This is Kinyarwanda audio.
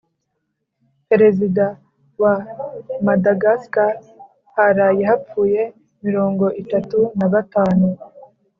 Perezida wa Madagascar haraye hapfuye mirongo itatu n’abatanu